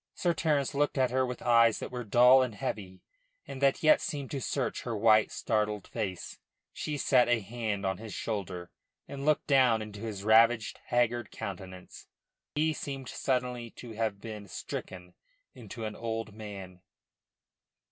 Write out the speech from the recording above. Sir Terence looked at her with eyes that were dull and heavy and that yet seemed to search her white, startled face. She set a hand on his shoulder, and looked down into his ravaged, haggard countenance. He seemed suddenly to have been stricken into an old man.